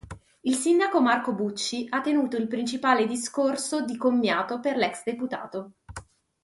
Il sindaco Marco Bucci ha tenuto il principale discorso di commiato per l'ex deputato.